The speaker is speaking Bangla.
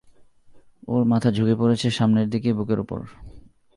ওর মাথা ঝুকে পড়েছে সামনের দিকে বুকের উপর।